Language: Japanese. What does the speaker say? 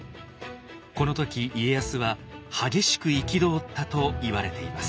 この時家康は激しく憤ったといわれています。